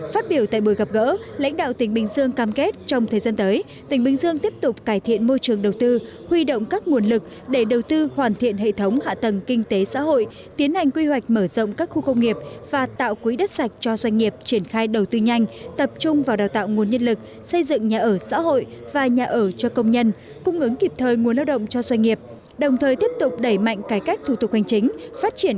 phát biểu tại buổi gặp gỡ lãnh đạo tỉnh bình dương cam kết trong thời gian tới tỉnh bình dương tiếp tục cải thiện môi trường đầu tư huy động các nguồn lực để đầu tư hoàn thiện hệ thống hạ tầng kinh tế xã hội tiến hành quy hoạch mở rộng các khu công nghiệp và tạo quý đất sạch cho doanh nghiệp triển khai đầu tư nhanh tập trung vào đào tạo nguồn nhân lực xây dựng nhà ở xã hội và nhà ở cho công nhân cung ứng kịp thời nguồn lao động cho doanh nghiệp đồng thời tiếp tục đẩy mạnh cải cách thủ tục hoàn chính phát triển